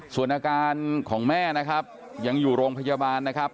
ส่วนอาการของแม่นะครับยังอยู่โรงพยาบาลนะครับ